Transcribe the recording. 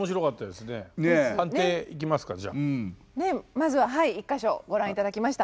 まずは１か所ご覧頂きました。